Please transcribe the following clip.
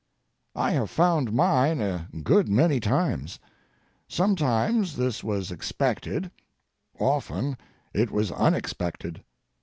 I have found mine a good many times. Sometimes this was expected—often it was unexpected.